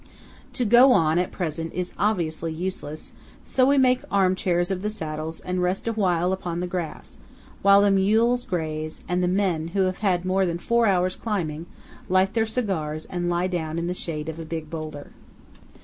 To go on at present is obviously useless; so we make arm chairs of the saddles and rest awhile upon the grass, while the mules graze, and the men, who have had more than four hours' climbing, light their cigars and lie down in the shade of a big boulder.